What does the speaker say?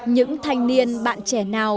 những thanh niên bạn trẻ nào